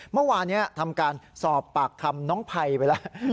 เมื่อวานนี้ทำการสอบปากคำน้องภัยไปแล้ว